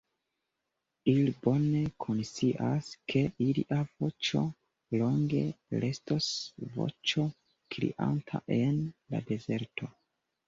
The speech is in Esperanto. Ili bone konscias, ke ilia voĉo longe restos voĉo krianta en la dezerto.